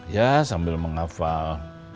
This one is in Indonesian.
ya sambil menghafal